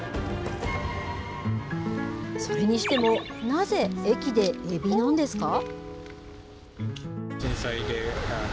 それにしても、なぜ駅でエビなんですか。